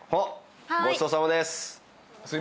ごちそうさまです。